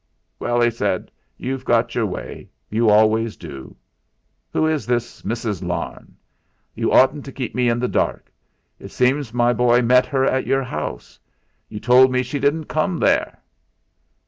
"Well," he said, "you've got your way; you always do. Who is this Mrs. Larne? You oughtn't to keep me in the dark. It seems my boy met her at your house. You told me she didn't come there."